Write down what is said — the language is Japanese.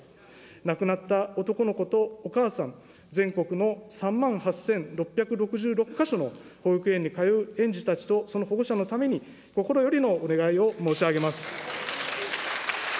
亡くなった男の子とお母さん、全国の３万８６６６か所の保育園に通う園児たちとその保護者のために、心よりのお願いを申し上げます。